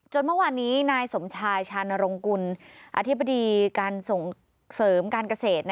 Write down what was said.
เมื่อวานนี้นายสมชายชานรงกุลอธิบดีการส่งเสริมการเกษตร